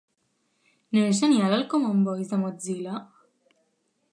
No és genial el Common Voice de Mozilla?